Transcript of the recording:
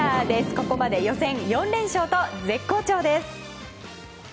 ここまで予選４連勝と絶好調です！